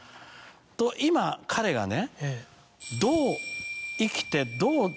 今彼がね。